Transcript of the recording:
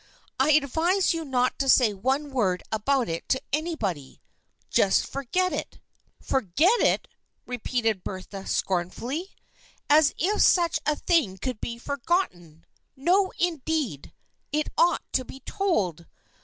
I advise you not to say one word about it to anybody. Just forget it." " Forget it !" repeated Bertha scornfully. " As if such a thing could be forgotten ! No indeed ! It ought to be told.